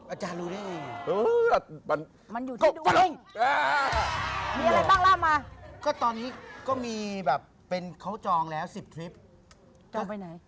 อาจารย์รู้ได้อาจารย์